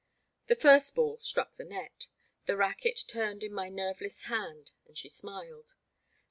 The first ball struck the net ; the racquet turned in my nerveless hand, and she smiled.